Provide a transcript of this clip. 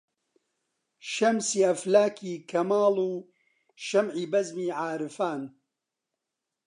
شەمسی ئەفلاکی کەماڵ و شەمعی بەزمی عارفان